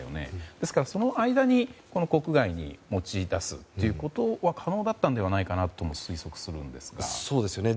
ですから、その間に国外に持ち出すということは可能だったのではないかと推測するんですが。